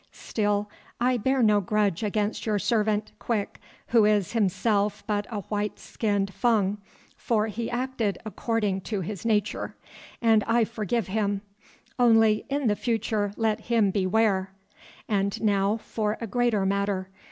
Still, I bear no grudge against your servant, Quick, who is himself but a white skinned Fung, for he acted according to his nature, and I forgive him; only in the future let him beware! And now—for a greater matter.